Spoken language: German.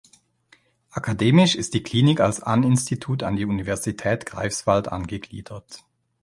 Akademisch ist die Klinik als An-Institut an die Universität Greifswald angegliedert.